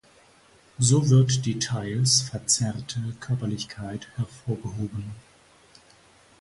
So wird die teils verzerrte Körperlichkeit hervorgehoben.